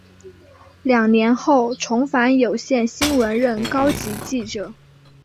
两年后重返有线新闻任高级记者。